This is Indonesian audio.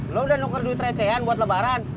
lo udah nuker duit recehan buat lebaran